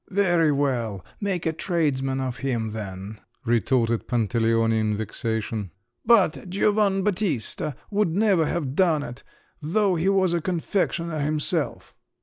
"Very well, make a tradesman of him, then," retorted Pantaleone in vexation; "but Giovan' Battista would never have done it, though he was a confectioner himself!"